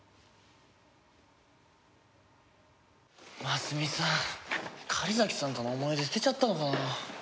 真澄さん狩崎さんとの思い出捨てちゃったのかな？